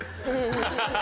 アハハハ！